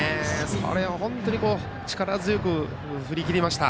それを本当に力強く振り切りました。